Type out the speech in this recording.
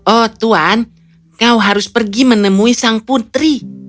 oh tuan kau harus pergi menemui sang putri